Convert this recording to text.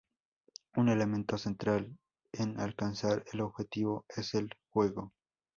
Un elemento central en alcanzar el objetivo es el juego.